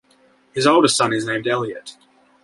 His oldest son is named Elliot.